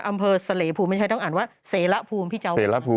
อัมเภอเสลห์ภูมิไม่ใช่ต้องอ่านอ่ะว่า